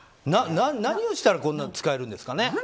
何をしたらこんな使えるんですかね。